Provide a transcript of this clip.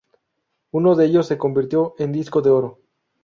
Uno de ellos se convirtió en disco de oro.